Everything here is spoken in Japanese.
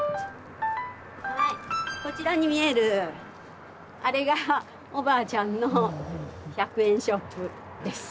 こちらに見えるあれがおばあちゃんの１００円ショップです。